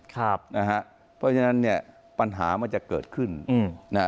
เพราะฉะนั้นเนี่ยปัญหามันจะเกิดขึ้นนะฮะ